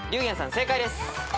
正解です。